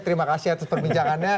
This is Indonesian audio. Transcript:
terima kasih atas perbincangannya